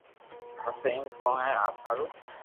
پسي ايم ڪون ھي آپ ھارو